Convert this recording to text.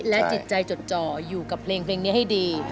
จิตใจจดจ่ออยู่กับเพลงนี้ให้ดี